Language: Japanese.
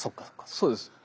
そうですね。